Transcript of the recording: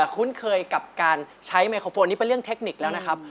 คุ้นเคยกับการใช้ไมโครโฟนนี่เป็นเรื่องเทคนิคแล้วนะครับ